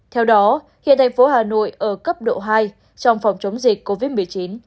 theo đó hiện thành phố hà nội ở cấp độ hai trong phòng chống dịch covid một mươi chín